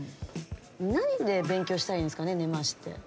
何で勉強したらいいんですかね「根回し」って。